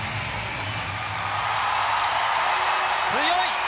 強い！